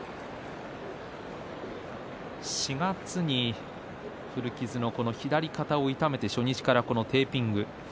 ４月に古傷の左肩を痛めて初日からテーピング。